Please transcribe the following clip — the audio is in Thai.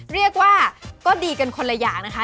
เรียกว่าก็ดีกันคนละอย่างนะคะ